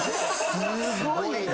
すごいな。